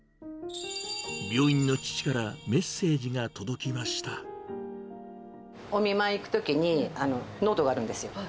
病院の父からメッセージが届きまお見舞い行くときに、ノートがあるんですよ。